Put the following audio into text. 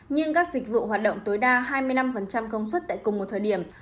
nhưng các dịch vụ hoạt động tối đa hai mươi năm công suất tại cùng một thời điểm